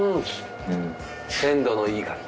鮮度のいい牡蠣。